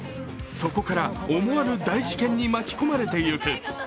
そこから思わぬ大事件に巻き込まれていく。